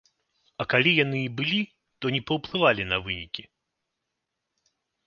А калі яны і былі, то не паўплывалі на вынікі.